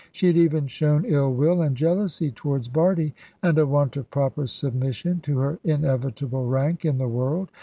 She had even shown ill will and jealousy towards Bardie, and a want of proper submission to her inevitable rank in the world.